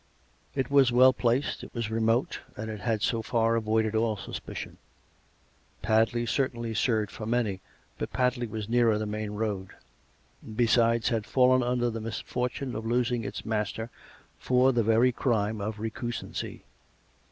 It was well placed; it was remote; and it had so far avoided all suspicion. Padley certainly served for many, but Padley was nearer the main road ; and besides, had fallen under the misfortune of losing its master for the very crime of recusancy.